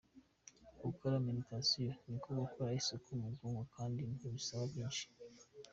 Gukora meditation ni nko gukora isuku mu bwonko kandi ntibisaba byinshi.